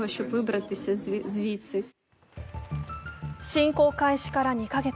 侵攻開始から２カ月。